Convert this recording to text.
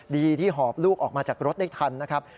ดีที่หอบลูกออกมาจากรถได้ทันนะครับ